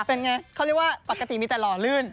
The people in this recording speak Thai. เป็นไงเขาเรียกว่าปกติมีแต่หล่อลื่น